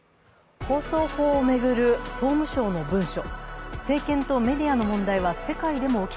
放送法を巡る総務省の文書。